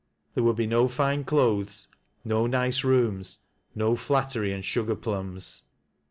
There would be no fine clothes, no nice rooms, no flattei"y and sugar plums.